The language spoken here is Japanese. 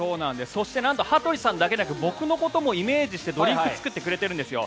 そして羽鳥さんだけではなく僕のことも思ってドリンクを作ってくれているんです。